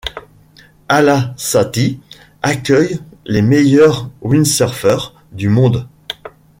Alaçatı accueille les meilleurs windsurfers du monde.